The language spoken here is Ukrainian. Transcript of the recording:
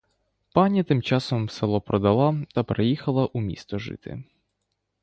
Пані тим часом село продала та переїхала у місто жити.